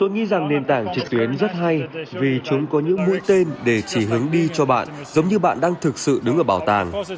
tôi nghĩ rằng nền tảng trực tuyến rất hay vì chúng có những mũi tên để chỉ hướng đi cho bạn giống như bạn đang thực sự đứng ở bảo tàng